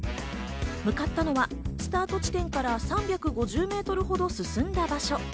向かったのはスタート地点から３５０メートルほど進んだ場所。